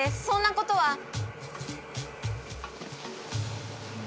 そんなことは。